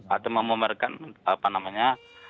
atau memamerkan apa namanya